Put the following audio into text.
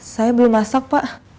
saya belum masak pak